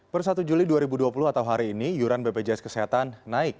per satu juli dua ribu dua puluh atau hari ini iuran bpjs kesehatan naik